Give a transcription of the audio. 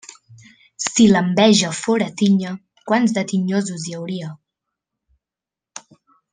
Si l'enveja fóra tinya, quants de tinyosos hi hauria.